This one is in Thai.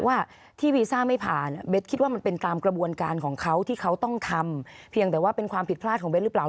ว่าที่วีซ่าไม่ผ่านเบสคิดว่ามันเป็นตามกระบวนการของเขาที่เขาต้องทำเพียงแต่ว่าเป็นความผิดพลาดของเบสหรือเปล่า